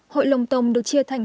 hội lồng tông được chia thành